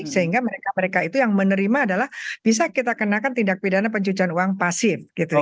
sehingga mereka mereka itu yang menerima adalah bisa kita kenakan tindak pidana pencucian uang pasif